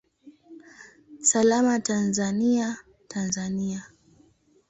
Salama Tanzania, Tanzania!